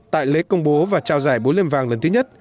tại lễ công bố và trao giải bố liềm vàng lần thứ nhất